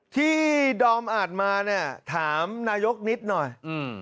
ดอมอ่านมาเนี่ยถามนายกนิดหน่อยอืม